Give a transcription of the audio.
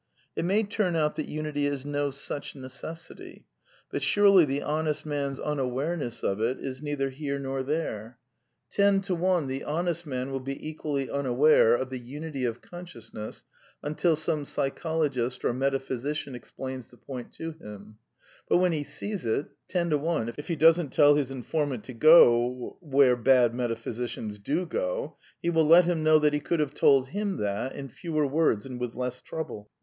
It may turn out that unity is no such necessity; but surely the honest man's unawareness of it is neither here nor there? Ten to one the honest man will be equally unaware of the unity of consciousness until some psy chologist or metaphysician explains the point to him; but, when he sees it, ten to one, if he doesn't tell his informant to go — where bad metaphysicians do go, he will let him know that he could have told him that, in fewer words and with less trouble.